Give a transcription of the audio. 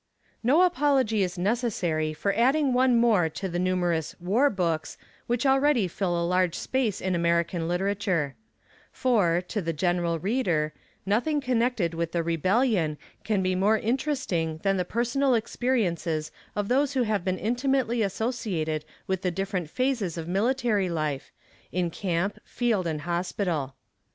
No apology is necessary for adding one more to the numerous "War Books" which already fill a large space in American Literature; for, to the general reader, nothing connected with the Rebellion can be more interesting than the personal experiences of those who have been intimately associated with the different phases of military life, in Camp, Field, and Hospital.